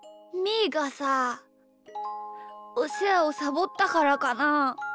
ーがさおせわをサボったからかな？